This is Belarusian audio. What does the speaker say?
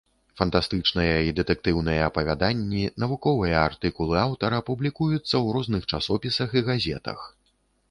Фантастычныя і дэтэктыўныя апавяданні, навуковыя артыкулы аўтара публікуюцца ў розных часопісах і газетах.